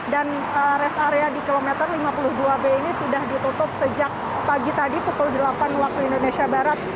dan rest area di kilometer lima puluh dua b ini sudah ditutup sejak pagi tadi pukul delapan waktu indonesia barat